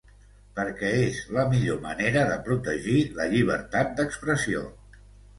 Perquè és la millor manera de protegir la llibertat d’expressió.